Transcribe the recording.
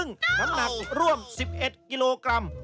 ซึ่งน้ำหนักร่วม๑๑กิโลกรัม